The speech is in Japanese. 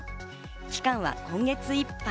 期間は今月いっぱい。